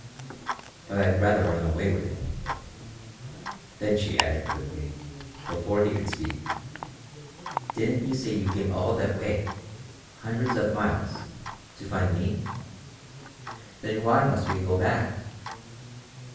"But I'd rather run away with you." Then she added quickly, before he could speak: "Didn't you say you came all that way hundreds of miles to find me? Then why must we go back?"